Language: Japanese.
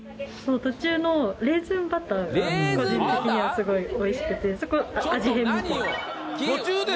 途中のレーズンバターが個人的にはすごいおいしくてそこ味変みたいな。